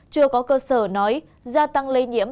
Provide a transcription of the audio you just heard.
chưa có cơ sở nói gia tăng lây nhiễm